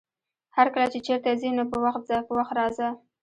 هرکله چې چېرته ځې نو په وخت ځه، په وخت راځه!